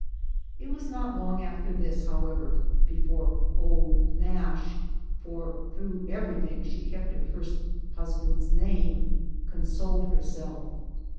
It was not long after this, howover, before " Old Nash " (for through everything she kept her first husband's name) consoled herself.